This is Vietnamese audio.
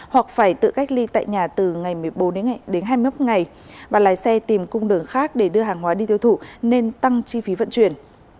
hoặc phải tự cách ly tại nhà từ ngày một mươi bốn đến hai mươi một ngày và lái xe tìm cung đường khác để đưa hàng hóa đi tiêu thụ nên tăng chi phí vận chuyển